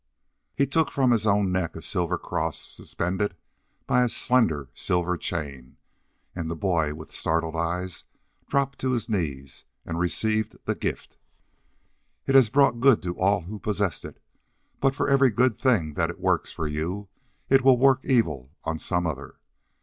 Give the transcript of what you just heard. He took from his own neck a silver cross suspended by a slender silver chain, and the boy, with startled eyes, dropped to his knees and received the gift. "It has brought good to all who possessed it, but for every good thing that it works for you it will work evil on some other.